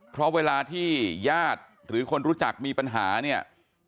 เพราะเวลาที่ญาติหรือคนรู้จักมีปัญหาเนี่ย